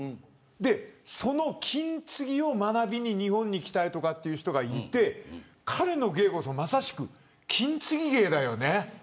その金継ぎを学びに日本に来たいという人がいて彼の芸こそまさしく金継ぎ芸だよね。